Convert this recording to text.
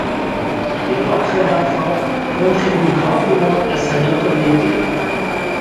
Les portraits d'enfants contribuent grandement à sa notoriété.